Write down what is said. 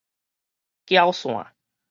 攪散